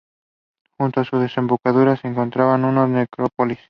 Junto a su desembocadura se encontraba una necrópolis